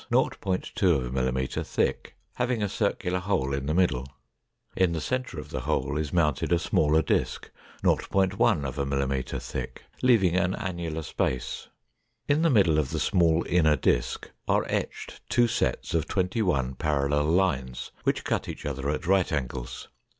2 mm thick, having a circular hole in the middle. In the center of the hole is mounted a smaller disk 0.1 mm thick, leaving an annular space. In the middle of the small inner disk are etched two sets of twenty one parallel lines which cut each other at right angles.